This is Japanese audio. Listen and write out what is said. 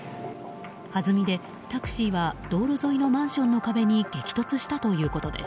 はずみでタクシーは道路沿いのマンションの壁に激突したということです。